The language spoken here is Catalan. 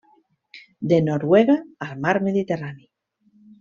De Noruega al mar Mediterrani.